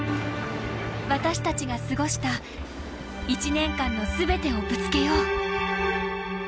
私たちが過ごした１年間の全てをぶつけよう。